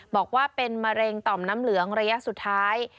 บอกว่าเป็นมะเร็งต่อมน้ำเหลืองระยะสุดท้าย